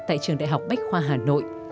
tại trường đại học bách khoa hà nội